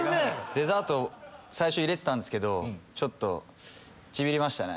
デザート最初入れてたんすけどちょっとちびりましたね。